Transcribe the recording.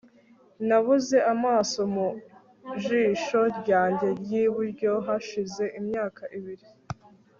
nabuze amaso mu jisho ryanjye ryiburyo hashize imyaka ibiri